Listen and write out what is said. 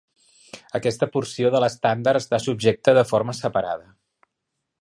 Aquesta porció de l'estàndard està subjecte de forma separada.